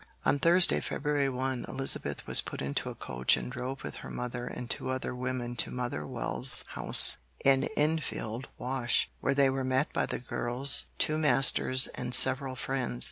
On Thursday February 1, Elizabeth was put into a coach and drove with her mother and two other women to Mother Wells' house in Enfield Wash, where they were met by the girl's two masters and several friends.